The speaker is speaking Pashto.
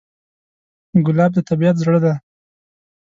ګلاب د طبیعت زړه دی.